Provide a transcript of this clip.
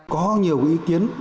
có nhiều ý kiến